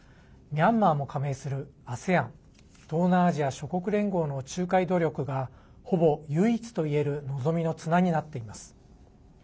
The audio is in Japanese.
ミャンマーも加盟するＡＳＥＡＮ＝東南アジア諸国連合の仲介努力が、ほぼ唯一といえる望みの綱になっています。